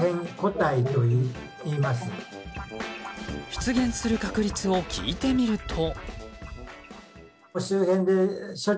出現する確率を聞いてみると。